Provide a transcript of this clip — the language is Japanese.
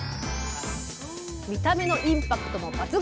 見た目のインパクトも抜群！